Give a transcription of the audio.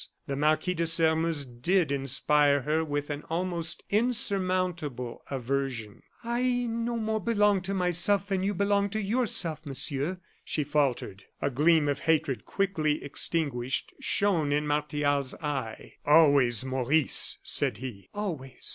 The Marquis de Sairmeuse did inspire her with an almost insurmountable aversion. "I no more belong to myself than you belong to yourself, Monsieur," she faltered. A gleam of hatred, quickly extinguished, shone in Martial's eye. "Always Maurice!" said he. "Always."